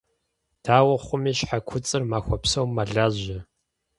Дауэ хъуми щхьэ куцӀыр махуэ псом мэлажьэ.